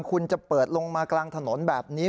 คุณจะเปิดลงมากลางถนนแบบนี้